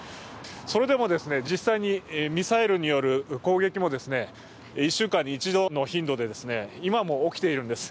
それでも実際にミサイルによる攻撃も１週間に１度の頻度で今も起きているんです。